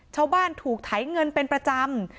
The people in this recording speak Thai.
ชาวบ้านถูกไถเงินเป็นประจำ